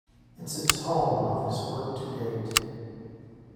It is a tome of his work to date.